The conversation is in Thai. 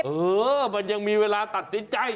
เออมันยังมีเวลาตัดสินใจ